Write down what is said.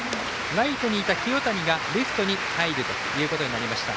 ライトにいた清谷がレフトに入ることになりました。